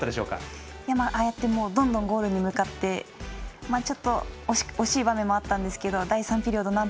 ああやってどんどんゴールに向かってちょっと惜しい場面もあったんですけど第３ピリオド